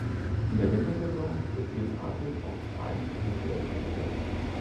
In der Wintersaison wird sie in Asien, Australien und Neuseeland eingesetzt.